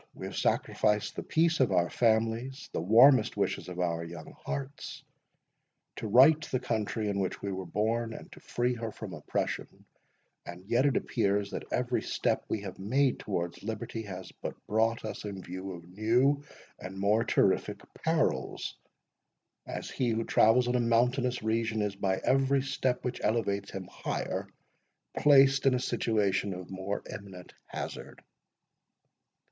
We have sacrificed the peace of our families, the warmest wishes of our young hearts, to right the country in which we were born, and to free her from oppression; yet it appears, that every step we have made towards liberty, has but brought us in view of new and more terrific perils, as he who travels in a mountainous region, is by every step which elevates him higher, placed in a situation of more imminent hazard."